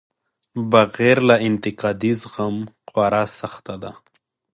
بغیر له انتقادي زغم خورا سخته ده.